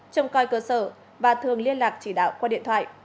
trông coi cơ sở và thường liên lạc chỉ đạo qua điện thoại